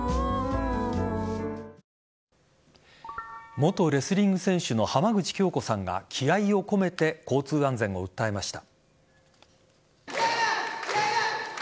元レスリング選手の浜口京子さんが気合を込めて交通安全を訴えました。